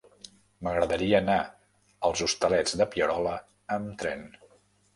M'agradaria anar als Hostalets de Pierola amb tren.